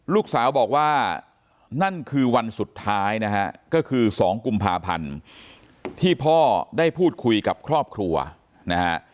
ลูกสาวบอกว่านั่นคือวันสุดท้ายนะฮะก็คือ๒กุมภาพันธ์ที่พ่อได้พูดคุยกับครอบครัวนะฮะ